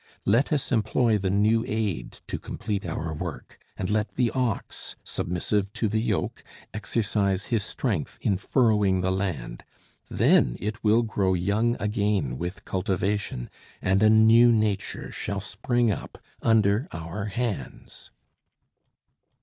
Let us employ the new aid to complete our work; and let the ox, submissive to the yoke, exercise his strength in furrowing the land. Then it will grow young again with cultivation, and a new nature shall spring up under our hands.